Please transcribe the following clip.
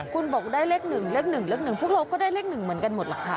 คุณบอกได้เลขหนึ่งเลขหนึ่งเลขหนึ่งพวกเราก็ได้เลขหนึ่งเหมือนกันหมดเหรอคะ